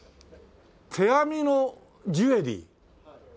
手編みのジュエリー？